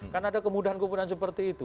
karena ada kemudahan kemudahan seperti itu